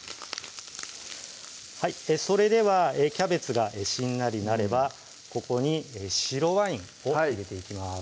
はいそれではキャベツがしんなりなればここに白ワインを入れていきます